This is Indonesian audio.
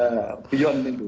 sudah beyond itu